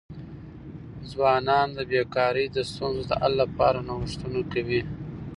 ځوانان د بېکاری د ستونزو د حل لپاره نوښتونه کوي.